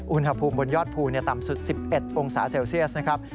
อุณหภูมิบนยอดภูต่ำสุด๑๑องศาเซลเซียสนะครับ